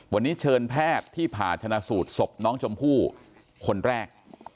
วันนี้เชิญแพทย์ที่ผ่าชนะสูตรศพน้องชมพู่คนแรก